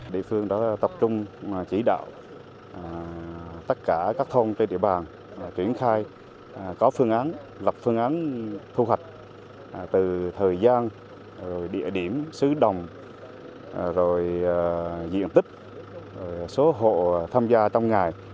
địa phương đã tập trung chỉ đạo tất cả các thôn trên địa bàn triển khai có phương án lập phương án thu hoạch từ thời gian rồi địa điểm xứ đồng rồi diện tích số hộ tham gia trong ngày